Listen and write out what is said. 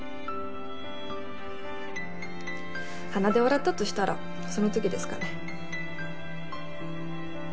鼻で笑ったとしたらその時ですかね。